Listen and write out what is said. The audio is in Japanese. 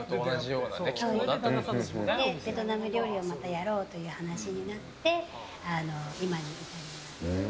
ベトナム料理をまたやろうという話になって今に至ります。